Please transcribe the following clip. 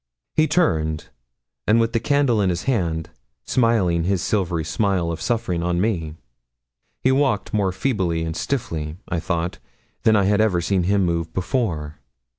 He turned, and with the candle in his hand, smiling his silvery smile of suffering on me. He walked more feebly and stiffly, I thought, than I had ever seen him move before.